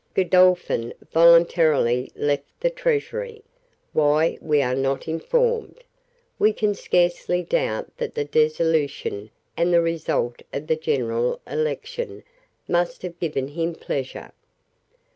Godolphin voluntarily left the Treasury; why, we are not informed. We can scarcely doubt that the dissolution and the result of the general election must have given him pleasure.